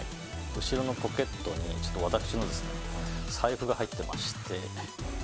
後ろのポケットに私の財布が入ってまして。